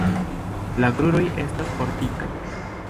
La kruroj estas fortikaj.